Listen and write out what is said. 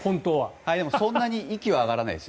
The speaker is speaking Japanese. そんなに息は上がらないです。